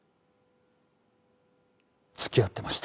付き合ってました。